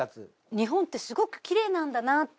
日本ってすごくきれいなんだなって。